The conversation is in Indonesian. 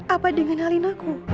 apa dia ngenalin aku